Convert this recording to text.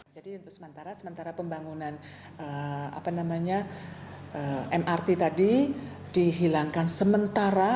jadi untuk sementara sementara pembangunan mrt tadi dihilangkan sementara